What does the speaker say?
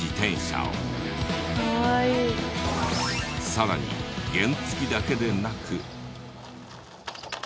さらに原付きだけでなく。